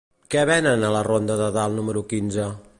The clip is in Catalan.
Què venen a la ronda de Dalt número quinze?